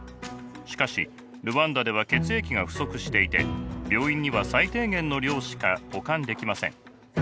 しかしルワンダでは血液が不足していて病院には最低限の量しか保管できません。